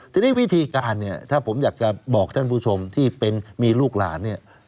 ทีนี้วิธีการเนี่ยถ้าผมอยากจะบอกท่านผู้ชมที่เป็นมีลูกหลานเนี่ย